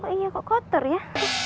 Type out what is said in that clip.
aduh kok kotor ya